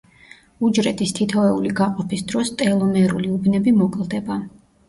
უჯრედის თითოეული გაყოფის დროს ტელომერული უბნები მოკლდება.